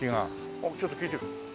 あっちょっと聞いてくる。